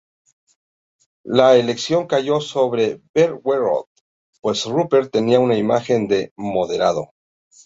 La elección cayó sobre Verwoerd, pues Rupert tenía una imagen de "moderado".